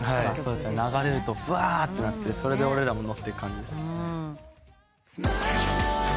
流れるとぶわーってなってそれで俺らも乗ってく感じです。